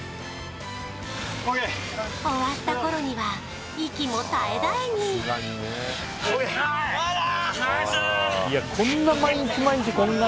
終わった頃には息も絶え絶えに・ナイス！